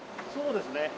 そうですね。